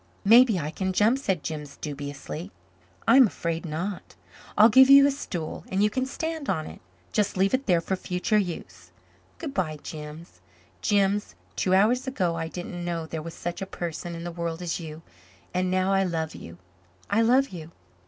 "Maybe I can jump," said Jims dubiously. "I'm afraid not. I'll give you a stool and you can stand on it. Just leave it there for future use. Good bye, Jims. Jims, two hours ago I didn't know there was such a person in the world as you and now I love you I love you."